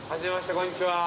こんにちは。